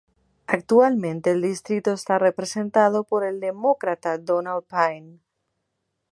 Actualmente el distrito está representado por el Demócrata Donald Payne, Jr..